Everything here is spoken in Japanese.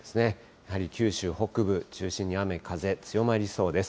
やはり九州北部中心に雨、風強まりそうです。